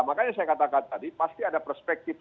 makanya saya katakan tadi pasti ada perspektif